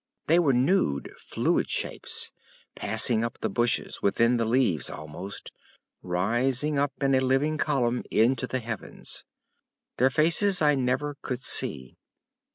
They were nude, fluid shapes, passing up the bushes, within the leaves almost—rising up in a living column into the heavens. Their faces I never could see.